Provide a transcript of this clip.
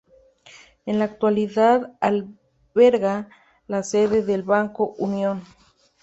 En la actualidad alberga la sede del Banco Unión.